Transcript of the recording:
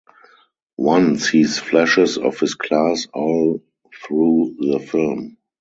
One sees flashes of his class all through the film.